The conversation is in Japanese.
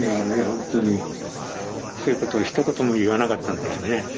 ほんとにそういうことをひと言も言わなかったんだよね。